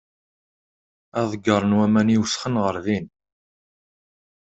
Aḍegger n waman i iwesxen ɣer din.